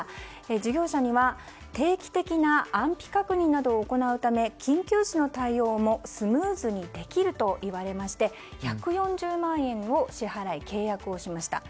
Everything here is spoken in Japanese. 事業者には定期的な安否確認などを行うため緊急時の対応もスムーズにできると言われまして１４０万円を支払い契約をしました。